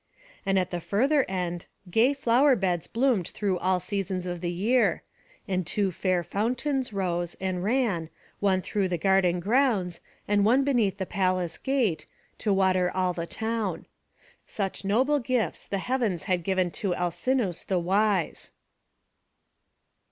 And at the further end gay flower beds bloomed through all seasons of the year; and two fair fountains rose, and ran, one through the garden grounds, and one beneath the palace gate, to water all the town. Such noble gifts the heavens had given to Alcinous the wise.